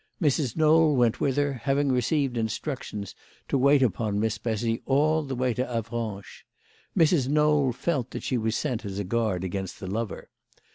Mrs. Knowl went with her, haying received instructions to wait upon Miss Bessy all the way to Avranches. Mrs. Knowl felt that she was sent as a guard against the lover.